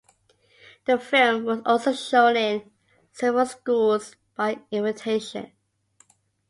The film was also shown in several schools by invitation.